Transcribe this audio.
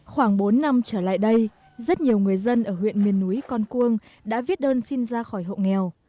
khoảng bốn năm trở lại đây rất nhiều người dân ở huyện miền núi con cuông đã viết đơn xin ra khỏi hộ nghèo